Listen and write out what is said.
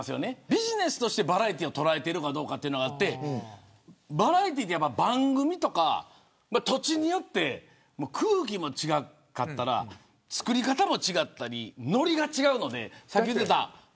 ビジネスとしてバラエティーを捉えているかどうかがあってバラエティーって番組とか土地によって空気も違かったら作り方も違ってノリが違うので。